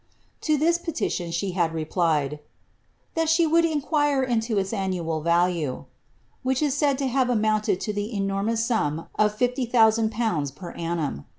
To tliis petition she had replied, " liiai she would inquire into iu annual value," which is eaid to have amounted to the enormous sum of 50.OO1I/. per annum.